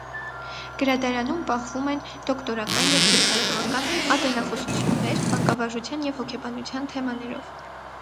Գրադարանում պահվում են դոկտորական և թեկնածուական ատենախոսություններ՝ մանկավարժության և հոգեբանության թեմաներով։